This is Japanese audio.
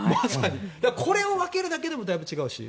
これを分けるだけでもだいぶ違うし。